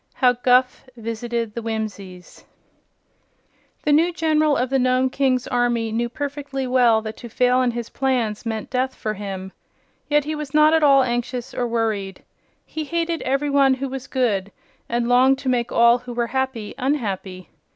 6. How Guph Visited the Whimsies The new General of the Nome King's army knew perfectly well that to fail in his plans meant death for him. Yet he was not at all anxious or worried. He hated every one who was good and longed to make all who were happy unhappy.